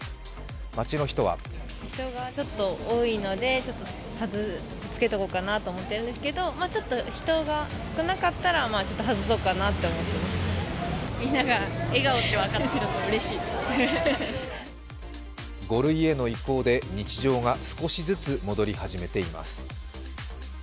街の人は５類への移行で日常が少しずつ戻り始めています。